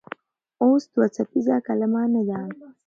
اوس دوه څپیزه کلمه نه ده.